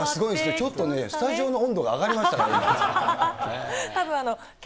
ちょっとね、スタジオの温度が上がりましたね、今。